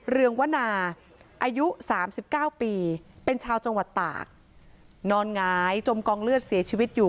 เรืองวนาอายุ๓๙ปีเป็นชาวจังหวัดตากนอนหงายจมกองเลือดเสียชีวิตอยู่